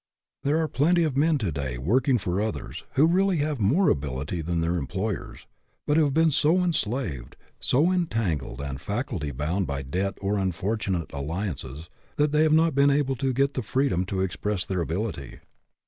There are plenty of men to day working for 52 FREEDOM AT ANY COST others, who really have more ability than their employers ; but who have been so enslaved, so entangled and faculty bound by debt or unfort unate alliances, that they have not been able to get the freedom to express their ability.